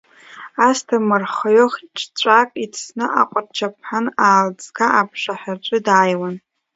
Асҭамыр хҩы-ҽцәак ицны Аҟәарчаԥан, Аалӡга аԥшаҳәаҿы дааиуан.